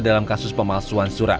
dalam kasus pemalsuan surat